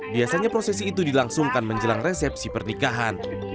biasanya prosesi itu dilangsungkan menjelang resepsi pernikahan